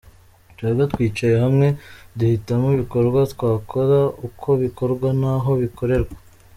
Twebwe twicaye hamwe duhitamo ibikorwa twakora, uko bikorwa n’aho bikorerwa.